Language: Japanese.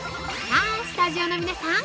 さあ、スタジオの皆さん